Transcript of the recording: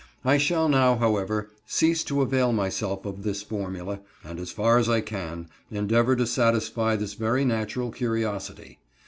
I shall now, however, cease to avail myself of this formula, and, as far as I can, endeavor to satisfy this very natural curiosity.